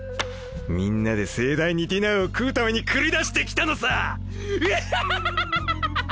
みんなで盛大にディナーを食うために繰り出して来たのさ！ウッヒャッヒャッ！